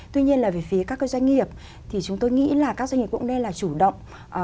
tuy nhiên là về phía các cái doanh nghiệp thì chúng tôi nghĩ là các doanh nghiệp cũng nên là chủ động